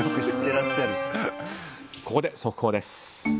ここで速報です。